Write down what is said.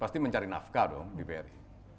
pasti mencari nafkah dong di bri